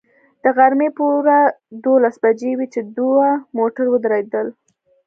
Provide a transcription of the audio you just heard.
د غرمې پوره دولس بجې وې چې دوه موټر ودرېدل.